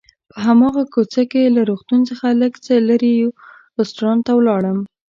په هماغه کوڅه کې له روغتون څخه لږ څه لرې یو رستورانت ته ولاړم.